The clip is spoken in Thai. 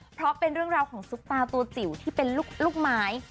เพราะเป็นเรื่องราวของซุปตาตัวจิ๋วที่เป็นลูกไม้